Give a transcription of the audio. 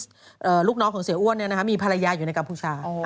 จุดที่ลูกน้องของเสียอ้วนมีภรรยายอยู่ในกลางบุญชาย